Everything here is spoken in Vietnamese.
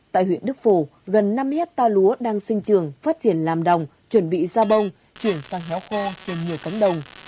tại huyện đức phổ gần năm hecta lúa đang sinh trường phát triển làm đồng chuẩn bị ra bông chuyển sang nhỏ khô trình như tấm đồng